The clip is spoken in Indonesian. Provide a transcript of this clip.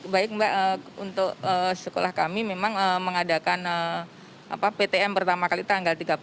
baik mbak untuk sekolah kami memang mengadakan ptm pertama kali tanggal tiga puluh